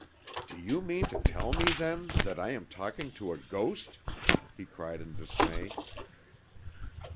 "Do you mean to tell me then that I am talking to a ghost?" he cried in dismay.